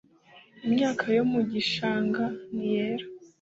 imyaka yo mu gishanga ntiyera.